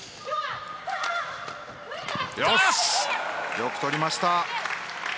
よくとりました！